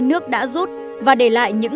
nước đã rút và để lại những